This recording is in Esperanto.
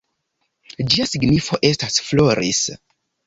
Ĝia signifo estas “floris”.